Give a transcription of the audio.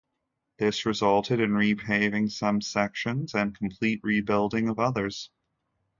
This resulted in repaving some sections and complete rebuilding of others.